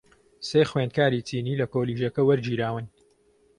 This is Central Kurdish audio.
سێ خوێندکاری چینی لە کۆلیژەکە وەرگیراون.